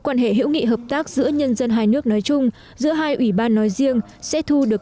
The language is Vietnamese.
quan hệ hữu nghị hợp tác giữa nhân dân hai nước nói chung giữa hai ủy ban nói riêng sẽ thu được